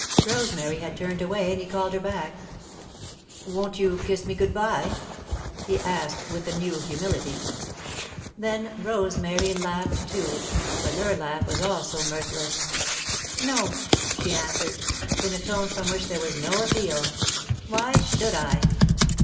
Rosemary had turned away, and he called her back. "Won't you kiss me good bye?" he asked, with a new humility. Then Rosemary laughed, too, but her laugh was also mirthless. "No," she answered, in a tone from which there was no appeal. "Why should I?"